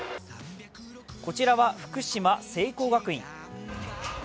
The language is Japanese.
こちらは福島・聖光学院。